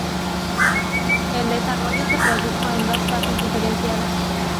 El desarrollo se produjo en dos fases diferenciadas.